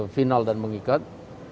final dan mengikat